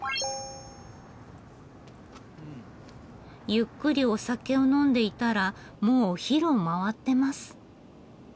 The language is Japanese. ゆっくりお酒を呑んでいたらもうお昼を回ってます。